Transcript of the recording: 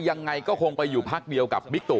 ยังไงก็คงไปอยู่พักเดียวกับบิ๊กตุ